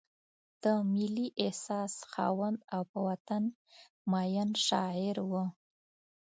د ملي احساس خاوند او په وطن مین شاعر و.